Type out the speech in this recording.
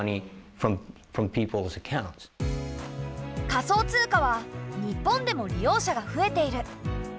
仮想通貨は日本でも利用者が増えている。